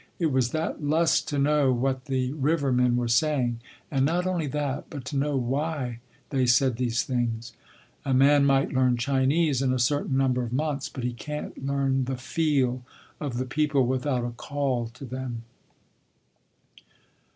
It was that lust to know what the river men were saying, and not only that, but to know why they said these things. A man might learn Chinese in a certain number of months, but he can’t learn the feel of the people without a call to them.